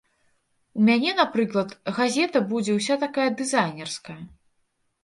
У мяне, напрыклад, газета будзе ўся такая дызайнерская.